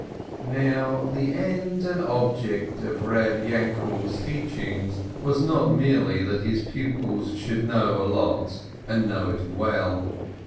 Now, the end and object of Reb Yainkel's teach ing was not merely that his pupils should know a lot and know it well.